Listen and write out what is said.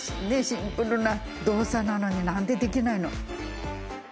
シンプルな動作なのになんでできないの？